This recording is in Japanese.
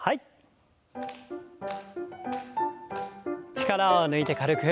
力を抜いて軽く。